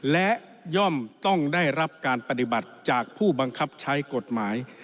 และย่อมต้องได้รับการปฏิบัติจากผู้บังคับใช้กฎหมาย